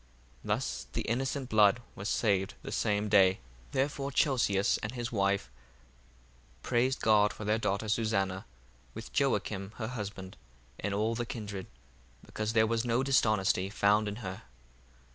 Thus the innocent blood was saved the same day. 1:63 Therefore Chelcias and his wife praised God for their daughter Susanna, with Joacim her husband, and all the kindred, because there was no dishonesty found in her.